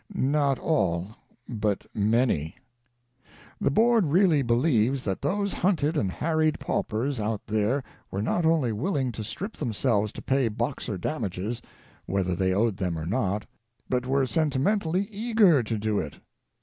Not all, but "many." The Board really believes that those hunted and harried paupers out there were not only willing to strip themselves to pay Boxer damages, whether they owed them or not, but were sentimentally eager to do it.